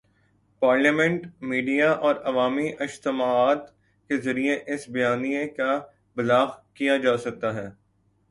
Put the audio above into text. Parliament, media اور عوامی اجتماعات کے ذریعے اس بیانیے کا ابلاغ کیا جا سکتا ہے۔